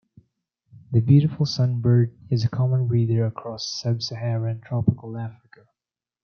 The beautiful sunbird is a common breeder across sub-Saharan tropical Africa.